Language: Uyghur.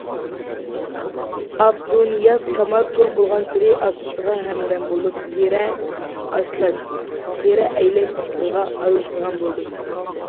ئابدۇنىياز كامال چوڭ بولغانسېرى ئاتىسىغا ھەمدەم بولۇپ تېرە ئاشلاش، تېرە ئەيلەش ئىشلىرىغا ئارىلىشىدىغان بولدى.